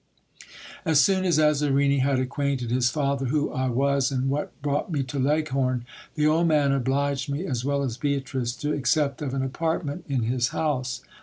As soon as Azarini had acquainted his father who I was, and what brought me to Leghorn, the old man obliged me, as well as Beatrice, to accept of an apartment in his house.